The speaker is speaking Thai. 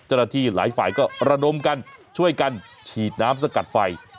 เจ้าหน้าที่หลายฝ่ายก็ระดมกันช่วยกันฉีดน้ำสกัดไฟ